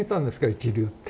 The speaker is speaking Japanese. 一流って。